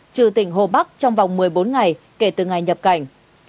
trừ tỉnh hồ bắc trong vòng một mươi bốn ngày kể từ ngày nhập cảnh